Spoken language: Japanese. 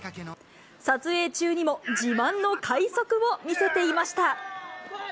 撮影中にも自慢の快足を見せていました。